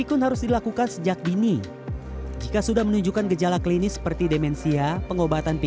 untuk tidak pikun jangan tidak aktif